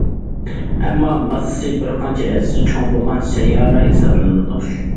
ئەمما، ماسسىسى بىر قانچە ھەسسە چوڭ بولغان سەييارە ھېسابلىنىدۇ.